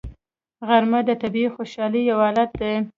غرمه د طبیعي خوشحالۍ یو حالت دی